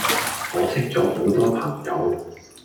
我識左好多朋友